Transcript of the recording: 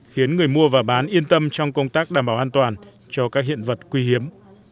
khiến người mua và bán yên tâm trong công tác đảm bảo an toàn cho các hiện vật quý hiếm